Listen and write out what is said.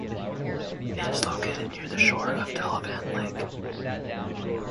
It is located near the shore of Delavan Lake.